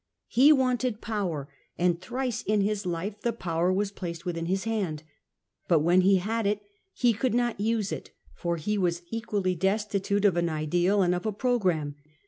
He wanted power, and thrice in his life the power was placed within his hand. But when he had it, he could not use it, for he was equally destitute of an ideal and of a programme.